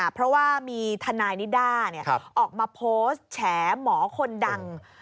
เพราะว่ามีทนายนิด้าออกมาโพสต์แฉหมอคนดัง